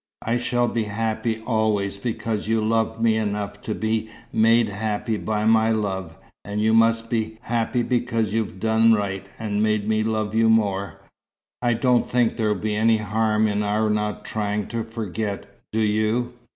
I shall be happy always because you loved me enough to be made happy by my love. And you must be happy because you've done right, and made me love you more. I don't think there'll be any harm in our not trying to forget, do you?"